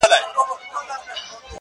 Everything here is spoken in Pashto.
ددې سايه به ،پر تا خوره سي~